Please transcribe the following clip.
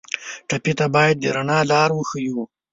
ټپي ته باید د رڼا لار وښیو.